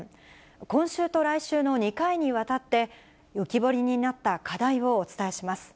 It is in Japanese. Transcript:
今週と来週の２回にわたって、浮き彫りになった課題をお伝えします。